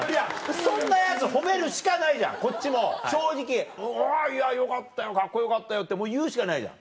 そんなヤツ褒めるしかないじゃんこっちも正直「おぉいやよかったよカッコよかったよ」ってもう言うしかないじゃん。